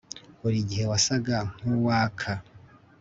buri gihe wasaga nkuwaka